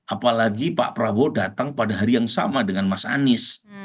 apalagi pak prabowo datang pada hari yang sama dengan mas anies